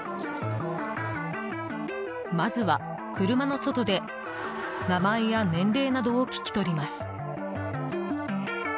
まずは、車の外で名前や年齢などを聞き取ります。